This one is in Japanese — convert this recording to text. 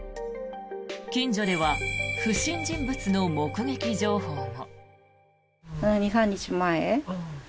近所では不審人物の目撃情報も。